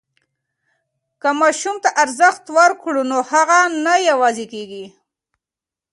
که ماسوم ته ارزښت ورکړو نو هغه نه یوازې کېږي.